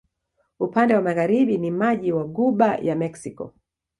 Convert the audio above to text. Upande wa magharibi ni maji wa Ghuba ya Meksiko.